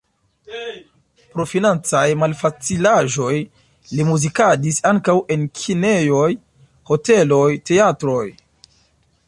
Pro financaj malfacilaĵoj li muzikadis ankaŭ en kinejoj, hoteloj, teatroj.